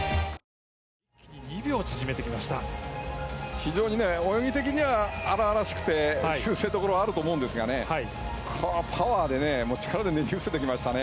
非常に泳ぎ的には荒々しくて修正どころはあると思うんですがパワー、力でねじ伏せてきましたね。